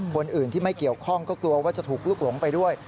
คนอื่นที่ไม่เกี่ยวข้องก็กลัวว่าจะถูกลุกหลงไปด้วย